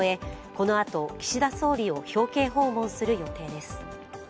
このあと、岸田総理を表敬訪問する予定です。